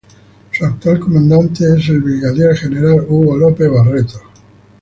Su actual comandante es el Brigadier General Hugo López Barreto.